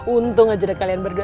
untung aja kalian berdua